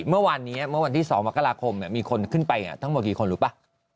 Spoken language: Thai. เมื่อวันที่๒วักษณะคมมีคนขึ้นไปต้องมากี่คนรู้ปะ